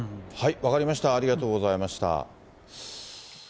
分かりました、ありがとうございました。